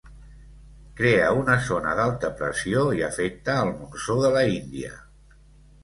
Crea una zona d'alta pressió i afecta al monsó de la Índia.